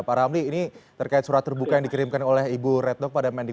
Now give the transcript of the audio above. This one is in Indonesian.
pak ramli ini terkait surat terbuka yang dikirimkan oleh ibu red dog pada mending